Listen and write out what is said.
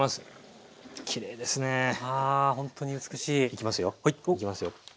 いきますよ。